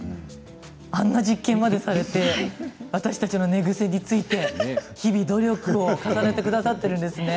あんな実験までされて私たちの寝ぐせについて日々、努力を重ねてくださっているんですね。